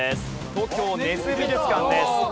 東京根津美術館です。